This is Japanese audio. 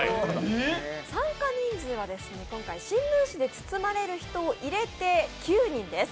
参加人数は、今回新聞紙で包まれる人を入れて９人です。